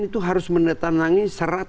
itu harus menandatangani